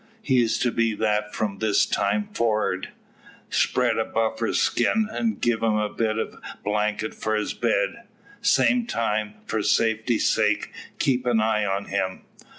He's to be that from this time forrard. Spread a buffler skin, an' get him a bit o' blanket for his bed. Same time, for safety's sake, keep an eye on him."